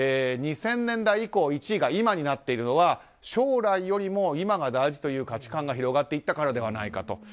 ２０００年代以降「今」が１位となっているのは将来よりも今が大事という価値観が広がっていったからではないか。